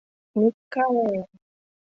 — Микале!